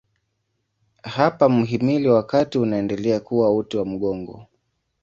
Hapa mhimili wa kati unaendelea kuwa uti wa mgongo.